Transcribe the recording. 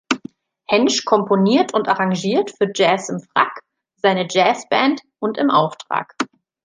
Hänsch komponiert und arrangiert für „Jazz im Frack“, seine „Jazz Band“ und im Auftrag.